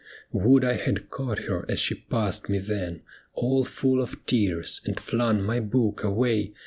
Would I had caught her as she passed me then, All full of tears, and flung my book away.